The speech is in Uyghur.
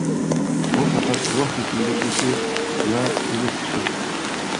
ئۇ پەقەت روھ يېتىلدۈرگۈچى ۋە ئۆگەتكۈچى.